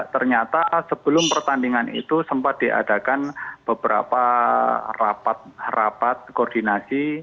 ternyata sebelum pertandingan itu sempat diadakan beberapa rapat koordinasi